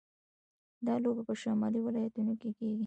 دا لوبه په شمالي ولایتونو کې کیږي.